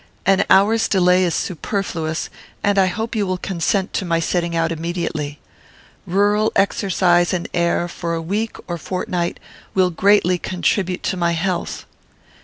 An hour's delay is superfluous, and I hope you will consent to my setting out immediately. Rural exercise and air, for a week or fortnight, will greatly contribute to my health."